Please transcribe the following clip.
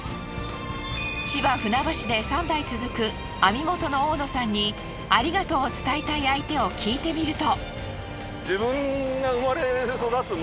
千葉船橋で三代続く網元の大野さんにありがとうを伝えたい相手を聞いてみると。